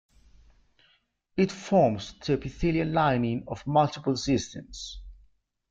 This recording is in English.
It forms the epithelial lining of multiple systems.